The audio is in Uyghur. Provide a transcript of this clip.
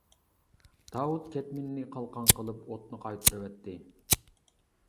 داۋۇت كەتمىنىنى قالقان قىلىپ ئوتنى قايتۇرۇۋەتتى.